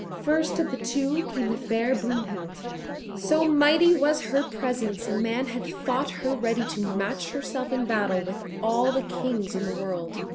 First of the two came the fair Brunhild. So mighty was her presence, a man had thought her ready to match herself in battle with all the Kings in the world.